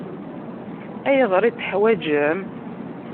Ayɣer i t-teḥwaǧem?